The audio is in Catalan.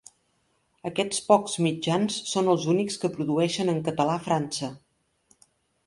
Aquests pocs mitjans són els únics que produeixen en català a França.